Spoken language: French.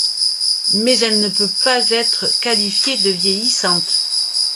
Mais elle ne peut pas être qualifiée de vieillissante.